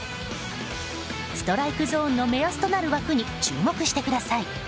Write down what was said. ストライクゾーンの目安となる枠に注目してください。